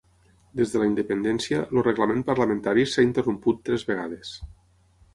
Des de la independència, el reglament parlamentari s'ha interromput tres vegades.